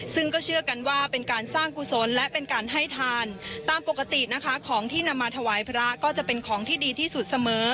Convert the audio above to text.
ซึ่งก็เชื่อกันว่าเป็นการสร้างกุศลและเป็นการให้ทานตามปกตินะคะของที่นำมาถวายพระก็จะเป็นของที่ดีที่สุดเสมอ